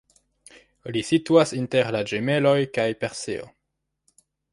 Li situas inter la Ĝemeloj kaj Perseo.